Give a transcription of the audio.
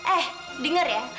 eh denger ya